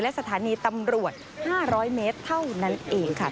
และสถานีตำรวจ๕๐๐เมตรเท่านั้นเองค่ะ